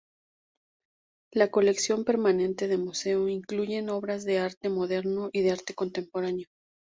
La colección permanente de museo incluye obras de arte moderno y de arte contemporáneo.